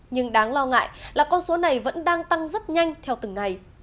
nhưng đáng lo ngại là con số này vẫn đang tăng rất nhanh theo từng ngày